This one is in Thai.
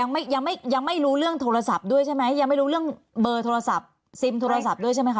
ยังไม่ยังไม่ยังไม่รู้เรื่องโทรศัพท์ด้วยใช่ไหมยังไม่รู้เรื่องเบอร์โทรศัพท์ซิมโทรศัพท์ด้วยใช่ไหมคะ